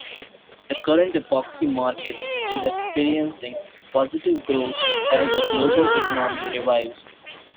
The current epoxy market is experiencing positive growth as the global economy revives.